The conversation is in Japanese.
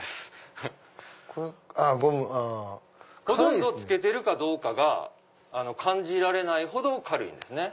ほとんど着けてるかどうかが感じられないほど軽いんです。